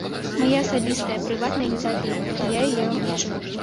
Мая асабістая прыватная ініцыятыва, і я яе агучыў.